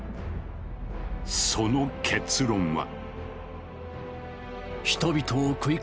その結論は。